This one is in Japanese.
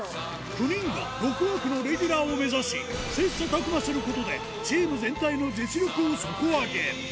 ９人が６枠のレギュラーを目指し切磋琢磨することでチーム全体の実力を底上げ